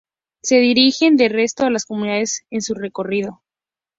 Se dirigen de regreso a las comunidades con su recorrido.